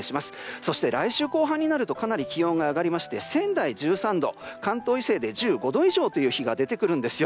そして来週後半になるとかなり気温が上がりまして仙台１３度関東以西で１５度以上という日が出てくるんですよ。